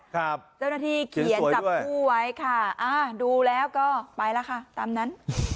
เจ้าหน้าที่เขียนจับคู่ไว้ค่ะอ่าดูแล้วก็ไปแล้วค่ะตามนั้น